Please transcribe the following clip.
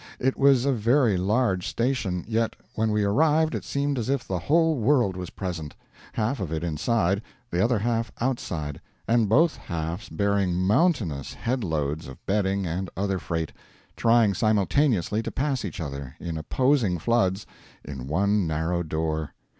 It was a very large station, yet when we arrived it seemed as if the whole world was present half of it inside, the other half outside, and both halves, bearing mountainous head loads of bedding and other freight, trying simultaneously to pass each other, in opposing floods, in one narrow door.